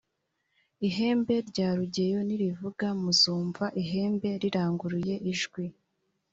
ihembe rya rugeyo nirivuga muzumva ihembe riranguruye ijwi.